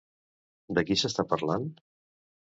De qui s'està parlant?